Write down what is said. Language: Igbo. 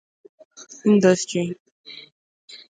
Industry